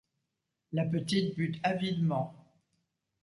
La petite but avidement.